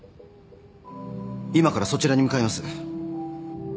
今からそちらに向かいます。